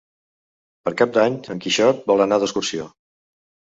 Per Cap d'Any en Quixot vol anar d'excursió.